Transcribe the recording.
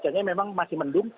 sebenarnya memang masih mendung